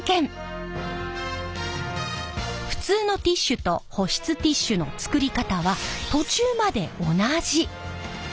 普通のティッシュと保湿ティッシュの作り方は途中まで同じ。